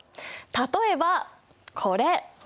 例えばこれ！